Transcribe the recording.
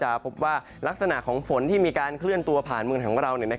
พบว่าลักษณะของฝนที่มีการเคลื่อนตัวผ่านเมืองของเรา